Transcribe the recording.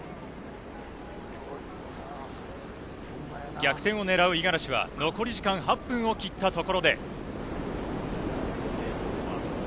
逆転を狙う五十嵐は、残り時間８分を切ったところで。